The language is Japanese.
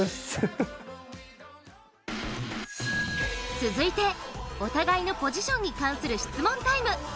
続いて、お互いのポジションに関する質問タイム。